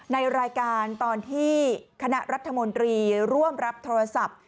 ในรายการตอนที่คณะรัฐมนตรีร่วมรับโทรศัพท์